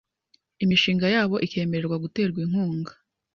imishinga yabo ikemererwa guterwa inkunga